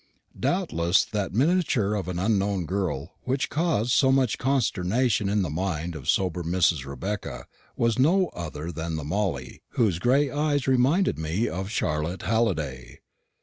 Doubtless that miniature of an unknown girl which caused so much consternation in the mind of sober Mrs. Rebecca was no other than the "Molly" whose gray eyes reminded me of Charlotte Halliday.